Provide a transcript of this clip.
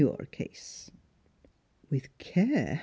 your case." "With care!"